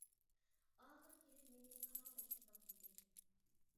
ئاخىر كېلىپ مېنى ساراڭ دەپ ھېسابلىدى.